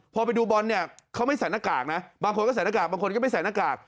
พอไปดูบอลเนี่ยเขาไม่ใส่หน้ากากนะบางคนก็ใส่หน้ากากบางคนก็ไม่ใส่หน้ากาก